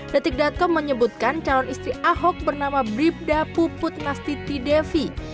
detik com menyebutkan calon istri ahok bernama bribda puput nastiti devi